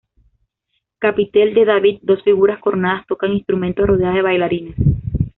Capitel de David: dos figuras coronadas tocan instrumentos rodeadas de bailarines.